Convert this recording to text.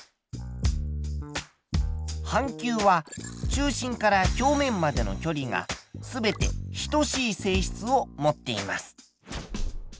半球は中心から表面までの距離が全て等しい性質を持っています。